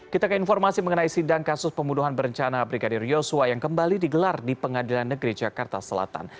kita ke informasi mengenai sidang kasus pembunuhan berencana brigadir yosua yang kembali digelar di pengadilan negeri jakarta selatan